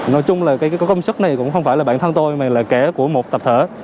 nói chung là công sức này cũng không phải là bản thân tôi mà là cả của một tập thể